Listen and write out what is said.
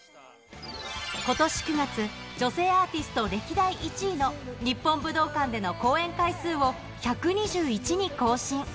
ことし９月、女性アーティスト歴代１位の日本武道館での公演回数を１２１に更新。